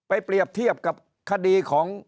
อย่าไปทำอะไรที่มันมีความรู้สึกว่ามีความเป็นมนุษย์น้อยลง